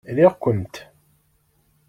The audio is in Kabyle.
Riɣ-kent.